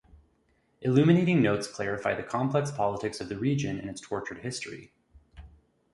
Illuminating notes clarify the complex politics of the region and its tortured history.